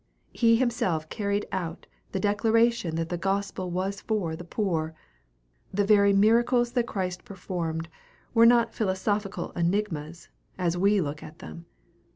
He himself carried out the declaration that the gospel was for the poor. The very miracles that Christ performed were not philosophical enigmas, as we look at them.